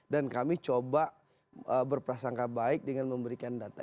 dan kami coba berprasangka baik dengan memberikan data